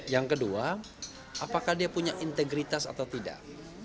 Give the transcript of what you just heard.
yang kedua apakah dia punya integritas atau tidak